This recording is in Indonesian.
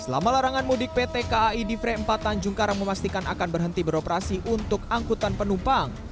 selama larangan mudik pt kai divre empat tanjung karang memastikan akan berhenti beroperasi untuk angkutan penumpang